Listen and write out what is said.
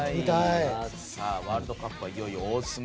ワールドカップはいよいよ大詰め。